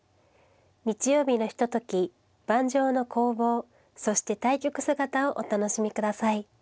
日曜日のひととき盤上の攻防そして対局姿をお楽しみ下さい。